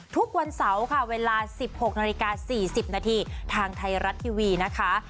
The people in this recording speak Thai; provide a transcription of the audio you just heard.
ทุกวันเสาร์ค่ะเวลา๑๖นาฬิกา๔๐นาทีทางไทยรัฐทีวีนะคะ